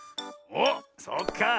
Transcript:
おっそうか。